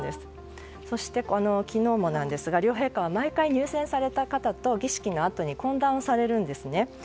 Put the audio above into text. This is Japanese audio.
そして、昨日もなんですが両陛下は毎回、入選された方と儀式のあとに懇談されるんですね。